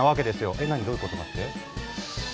えっ何どういうことかって？